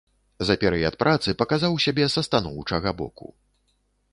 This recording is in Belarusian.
За перыяд працы паказаў сябе са станоўчага боку.